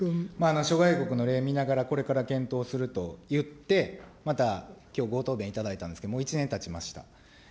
諸外国の例、見ながら、これから検討するといって、またきょうご答弁いただいたんですけれども、もう１年たちました。